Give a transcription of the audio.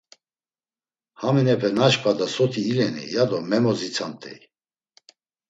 Haminepe naşǩva do soti ileni? ya do memodzitsamt̆ey.